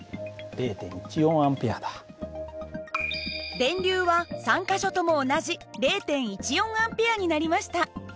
電流は３か所とも同じ０．１４Ａになりました。